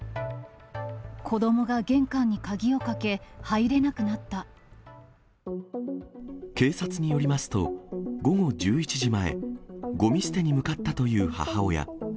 子どもが玄関に鍵をかけ、警察によりますと、午後１１時前、ごみ捨てに向かったという母親。